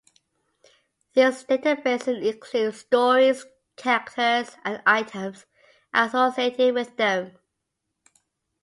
These databases include stories, characters, and items associated with them.